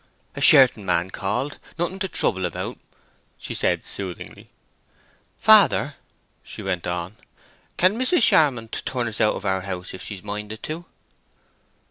"A Sherton man called—nothing to trouble about," she said, soothingly. "Father," she went on, "can Mrs. Charmond turn us out of our house if she's minded to?"